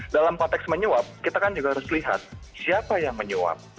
dalam konteks menyuap kita kan juga harus lihat siapa yang menyuap